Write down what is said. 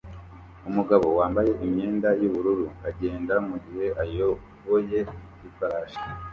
Umugabo wambaye imyenda yubururu agenda mugihe ayoboye ifarashi